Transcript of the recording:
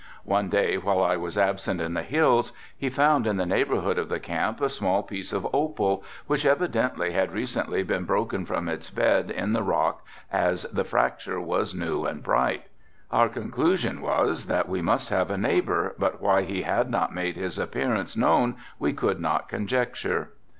One day while I was absent in the hills he found in the neighborhood of the camp a small piece of opal which evidently had recently been broken from its bed in the rock as the fracture was new and bright. Our conclusion was that we must have a neighbor but why he had not made his appearance known we could not conjecture.